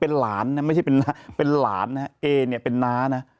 เป็นหลานนะไม่ใช่เป็นน้าเป็นหลานนะครับเอเป็นน้านะ